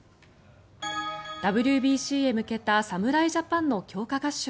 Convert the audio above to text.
ＷＢＣへ向けた侍ジャパンの強化合宿。